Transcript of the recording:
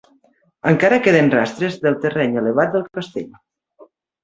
Encara queden rastres del terreny elevat del castell.